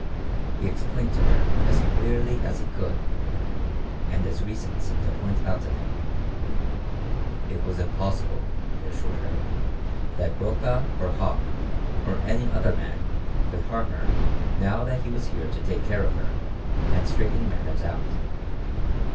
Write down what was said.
He explained to her as clearly as he could, and as reason seemed to point out to him. It was impossible, he assured her, that Brokaw or Hauck or any other man could harm her now that he was here to take care of her and straighten matters out.